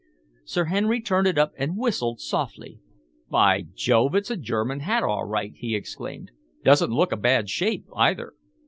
Sir Henry turned it up and whistled softly. "By Jove, it's a German hat, all right!" he exclaimed. "Doesn't look a bad shape, either."